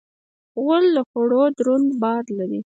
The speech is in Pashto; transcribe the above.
غول د غوړو دروند بار لري.